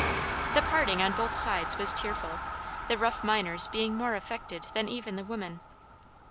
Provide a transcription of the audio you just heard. The parting, on both sides, was tearful, the rough miners being more affected than even the women.